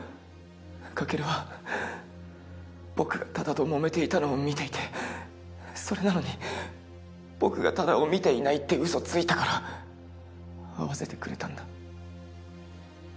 翔琉は僕が多田ともめていたのを見ていてそれなのに僕が多田を見ていないってうそついたから合わせてくれたんだ。